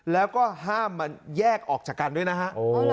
แล้วก็ห้ามมาแยกออกจากกันด้วยนะฮะ